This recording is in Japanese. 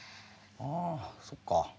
あそっか。